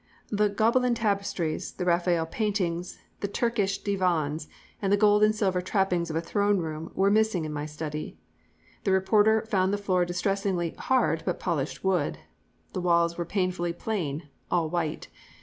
The Gobelin tapestries, the Raphael paintings, the Turkish divans, and the gold and silver trappings of a throne room were missing in my study. The reporter found the floor distressingly "hard, but polished wood." The walls were painfully plain "all white."